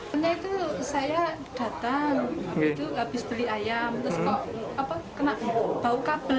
saya datang habis beli ayam terus kena bau kabel